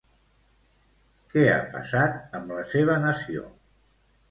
Què ha passat amb la seva nació?